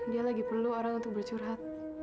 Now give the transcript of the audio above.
dia lagi perlu orang untuk bercurhat